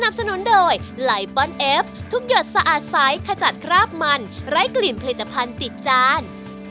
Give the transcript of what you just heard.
บุกไว้ในโค้ยนะไม่เห็นไปเร็วครับได้ครับ